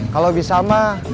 kalau bisa mah